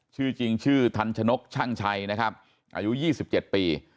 ชื่อจริงชื่อทันชนกช่างชัยนะครับอายุ๒๗ปี